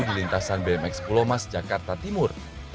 di lintasan bmx pulomas jakarta timur